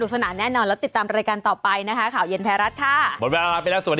เซลฟิลด่ากาล